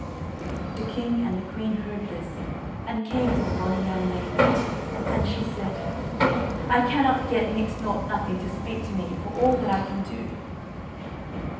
The king and the queen heard this, and came to the bonny young lady, and she said: "I cannot get Nix Nought Nothing to speak to me for all that I can do."